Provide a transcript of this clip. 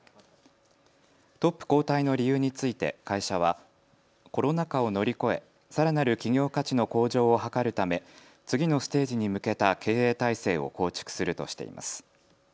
トップ交代の理由について会社はコロナ禍を乗り越えさらなる企業価値の向上を図るため次のステージに向けた経営体制を構築するとしています。